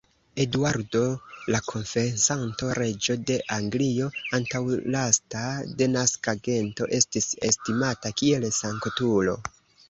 Eduardo la Konfesanto, reĝo de Anglio, antaŭlasta de saksa gento, estis estimata kiel sanktulo.